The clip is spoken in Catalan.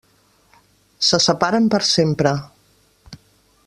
Se separen per sempre.